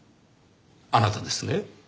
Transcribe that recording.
あなたですね。